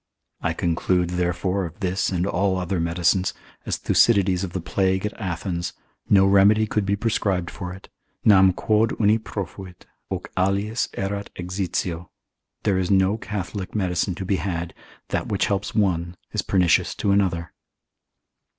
I conclude, therefore, of this and all other medicines, as Thucydides of the plague at Athens, no remedy could be prescribed for it, Nam quod uni profuit, hoc aliis erat exitio: there is no Catholic medicine to be had: that which helps one, is pernicious to another.